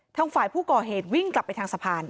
ทางฝ่ายผู้ก่อเหตุวิ่งกลับไปทางสะพาน